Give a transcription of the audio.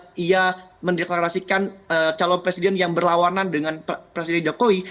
yang terjadi akibat ia men deklarasikan calon presiden yang berlawanan dengan presiden jokowi